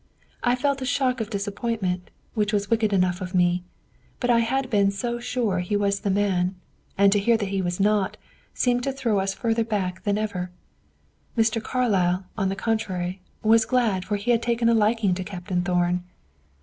I felt a shock of disappointment, which was wicked enough of me, but I had been so sure he was the man; and to hear that he was not, seemed to throw us further back than ever. Mr. Carlyle, on the contrary, was glad for he had taken a liking to Captain Thorn.